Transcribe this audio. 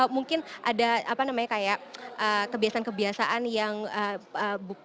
mungkin ada apa namanya kayak kebiasaan kebiasaan yang bukan